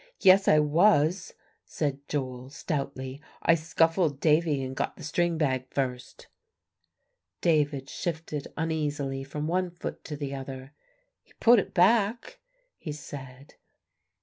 "Yes, I was," said Joel stoutly. "I scuffled Davie, and got the string bag first." David shifted uneasily from one foot to the other. "He put it back," he said.